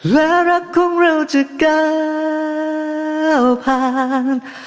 และรักของเราจะก้าวผ่าน